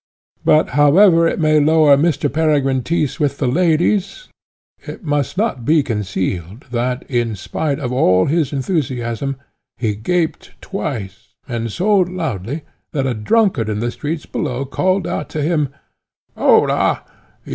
But, however it may lower Mr. Peregrine Tyss with the ladies, it must not be concealed that, in spite of all his enthusiasm, he gaped twice, and so loudly, that a drunkard in the streets below called out to him, "Holla!